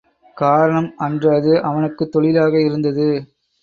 காரணம், அன்று அது அவனுக்குத் தொழிலாக இருந்தது.